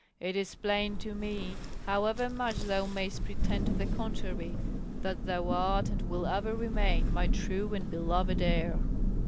It is plain to me, however much thou mayst pretend to the contrary, that thou art, and wilt ever remain, my true and beloved heir!"